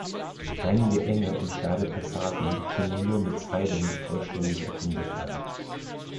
Einige enge und steile Passagen können nur mit Seilen vollständig erkundet werden.